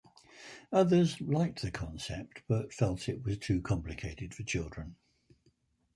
Others liked the concept, but felt it was too complicated for children.